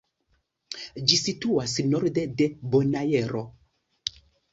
Ĝi situas norde de Bonaero.